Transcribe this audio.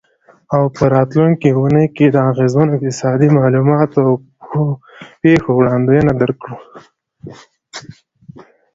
او په راتلونکې اونۍ کې د اغیزمنو اقتصادي معلوماتو او پیښو وړاندوینه درکړو.